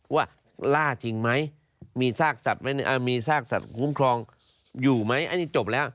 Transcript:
ว่าล่าจริงไหมมีซากสัตว์มีซากสัตว์คุ้มครองอยู่ไหมอันนี้จบแล้ว